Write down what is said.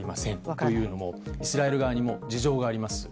というのも、イスラエル側にも事情があります。